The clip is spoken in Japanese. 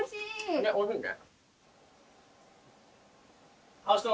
ねっおいしいね。